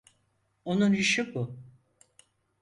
Onun işi bu.